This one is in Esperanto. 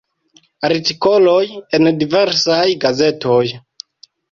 Artikoloj en diversaj gazetoj.